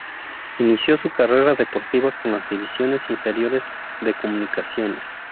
Inicio su carrera deportiva con las divisiones inferiores de Comunicaciones.